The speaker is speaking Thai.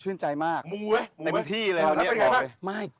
ชื่นใจมากในวิธีเลย